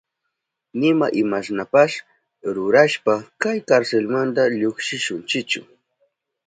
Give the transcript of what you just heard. Nima imashnapas rurashpa kay karselmanta llukshishunchichu.